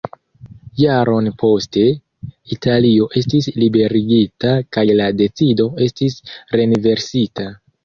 Jaron poste, Italio estis liberigita kaj la decido estis renversita.